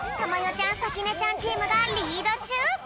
ちゃんさきねちゃんチームがリードちゅう。